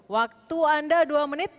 waktu anda dua menit